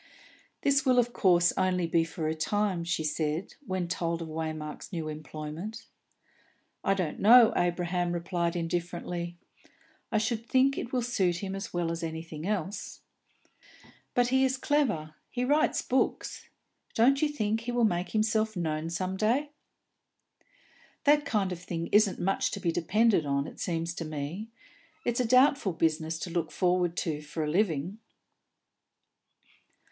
"This will of course only be for a time?" she said, when told of Waymark's new employment. "I don't know," Abraham replied indifferently. "I should think it will suit him as well as anything else." "But he is clever; he writes books. Don't you think he will make himself known some day?" "That kind of thing isn't much to be depended on, it seems to me. It's a doubtful business to look forward to for a living."